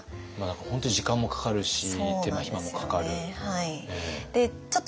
本当に時間もかかるし手間暇もかかる。